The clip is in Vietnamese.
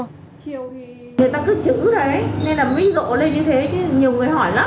người ta cứ chữ đấy nên là ví dụ lên như thế chứ nhiều người hỏi lắm